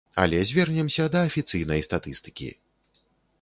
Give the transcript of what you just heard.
Але звернемся да афіцыйнай статыстыкі.